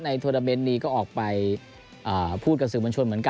โทรเมนต์นี้ก็ออกไปพูดกับสื่อมวลชนเหมือนกัน